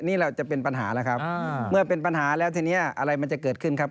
นี่เราจะเป็นปัญหาแล้วครับเมื่อเป็นปัญหาแล้วทีนี้อะไรมันจะเกิดขึ้นครับ